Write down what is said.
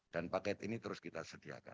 paket ini terus kita sediakan